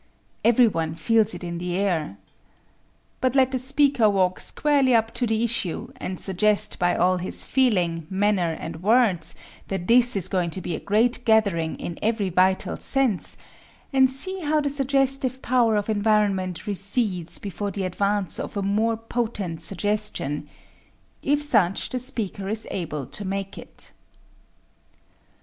Everyone feels it in the air. But let the speaker walk squarely up to the issue and suggest by all his feeling, manner and words that this is going to be a great gathering in every vital sense, and see how the suggestive power of environment recedes before the advance of a more potent suggestion if such the speaker is able to make it.